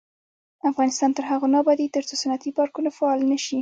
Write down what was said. افغانستان تر هغو نه ابادیږي، ترڅو صنعتي پارکونه فعال نشي.